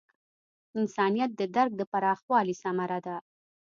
انسانیت د درک د پراخوالي ثمره ده.